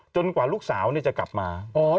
จนกว่าลูกสาวเนี่ยจะกลับมา